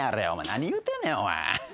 何言うてんねんお前。